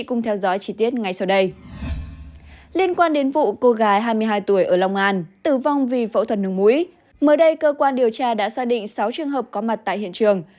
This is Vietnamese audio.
mới đây cơ quan điều tra đã xác định sáu trường hợp có mặt tại hiện trường